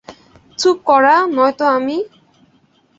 চুপ করা, নয়তো আমি!